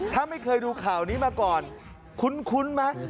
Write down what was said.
ถ้าไม่เคยดูข่าวนี้มาก่อนคุ้นไหม